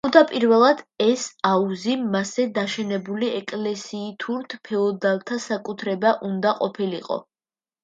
თავდაპირველად ეს აუზი მასზე დაშენებული ეკლესიითურთ ფეოდალთა საკუთრება უნდა ყოფილიყო.